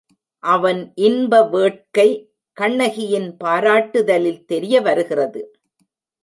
அவன் இன்ப வேட்கை கண்ணகியின் பாராட்டுதலில் தெரியவருகிறது.